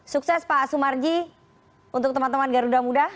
sukses pak sumarji untuk teman teman garuda muda